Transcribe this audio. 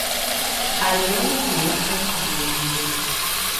Але ў мяне пытанне.